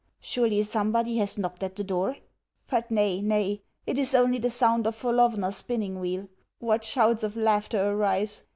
Surely somebody has knocked at the door?... But nay, nay; it is only the sound of Frolovna's spinning wheel. What shouts of laughter arise!